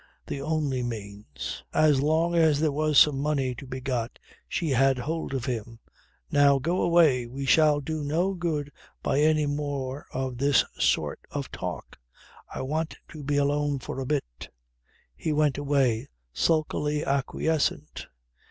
The only means. As long as there was some money to be got she had hold of him. "Now go away. We shall do no good by any more of this sort of talk. I want to be alone for a bit." He went away, sulkily acquiescent.